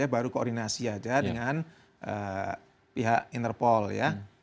baru koordinasi aja dengan pihak interpol ya